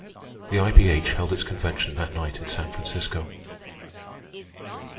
The I.P.H. held its convention that night in San Francisco.